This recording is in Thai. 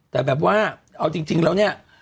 แต่แบบว่าเอาจริงแล้วเนี่ย